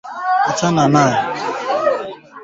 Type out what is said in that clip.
maarufu kama Roe v Wade pamoja na kesi tofauti